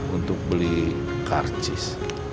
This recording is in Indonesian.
untuk beli karcis